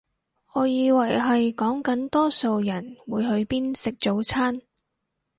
我以為係講緊多數人會去邊食早餐